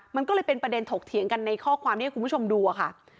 มันก็เลยเป็นประเด็นถกเถียงกันในข้อความที่ให้คุณผู้ชมดูค่ะ